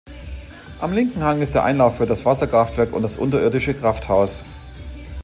Am linken Hang ist der Einlauf für das Wasserkraftwerk und das unterirdische Krafthaus.